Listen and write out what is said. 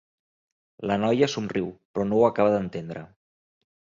La noia somriu, però no ho acaba d'entendre.